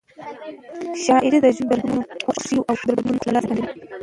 شاعري د ژوند د رنګونو، خوښیو او دردونو ښکلا څرګندوي.